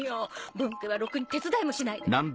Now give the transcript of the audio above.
分家はろくに手伝いもしないで。